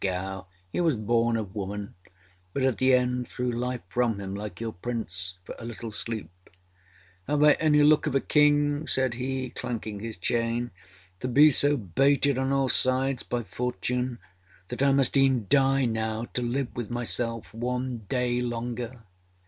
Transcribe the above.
GOW.âHe was born of woman â¦ but at the end threw life from him, like your Prince, for a little sleep â¦ âHave I any look of a King?â said he, clanking his chainââto be so baited on all sides by Fortune, that I must eâen die now to live with myself one day longer?